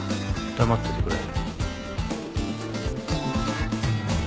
黙っててくれ。